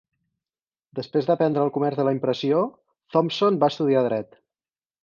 Després d'aprendre el comerç de la impressió, Thompson va estudiar dret.